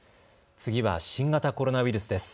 次は新型コロナウイルスです。